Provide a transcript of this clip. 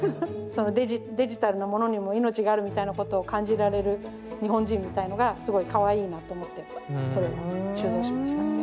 そのデジタルなものにも命があるみたいなことを感じられる日本人みたいのがすごいかわいいなと思ってこれも収蔵しました。